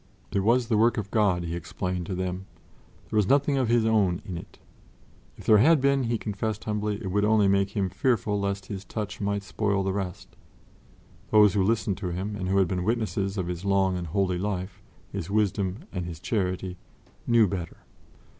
It was the work of God, he explained to them; there was nothing of his own in it. If there had been, he confessed humbly, it would only make him fearful lest his touch might spoil the rest. Those who listened to him and who had been witnesses of his long and holy life, his wisdom and his charity, knew better.